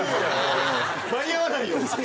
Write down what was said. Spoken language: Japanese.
間に合わないよ！